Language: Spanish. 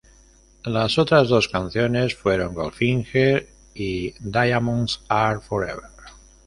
Las otras dos canciones fueron Goldfinger y Diamonds Are Forever.